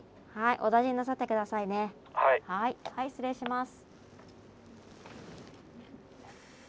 はい失礼します。